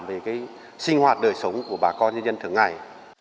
về cái sinh hoạt đời sống của bà con nhân dân thường ngày